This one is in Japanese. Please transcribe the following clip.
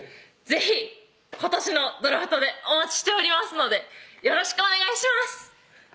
是非今年のドラフトでお待ちしておりますのでよろしくお願いします！